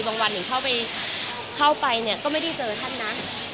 วันหนึ่งเข้าไปเนี่ยก็ไม่ได้เจอท่านนะ